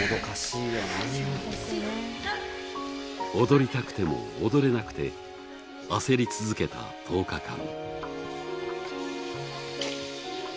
踊りたくても踊れなくて焦り続けた１０日間。